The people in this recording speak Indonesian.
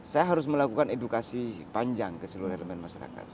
saya harus melakukan edukasi panjang ke seluruh elemen masyarakat